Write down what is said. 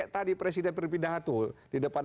tadi presiden berpidato di depan